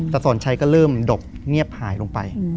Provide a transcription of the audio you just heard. แต่สอนชัยก็เริ่มดกเงียบหายลงไป